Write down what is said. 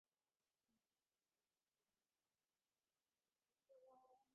AT and T সন্দেহভাজন সন্ত্রাসীদের সঙ্গে যোগসূত্র রয়েছে—এমন ফোন নম্বরও সরবরাহ করে সিআইএর কাছে।